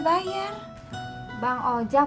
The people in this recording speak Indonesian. biar begitu aja ata